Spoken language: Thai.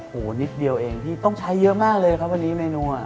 นิดเดียวเองพี่ต้องใช้เยอะมากเลยครับวันนี้เมนูอ่ะ